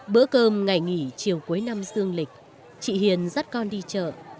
bữa cơm ngày nghỉ chiều cuối năm dương lịch chị hiền dắt con đi chợ